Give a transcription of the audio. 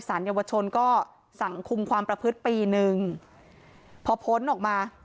สนยวชนก็สังคุมความประพฤษปีหนึ่งพอพลนออกมา